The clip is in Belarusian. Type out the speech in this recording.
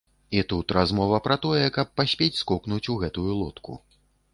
І тут размова пра тое, каб паспець скокнуць у гэтую лодку.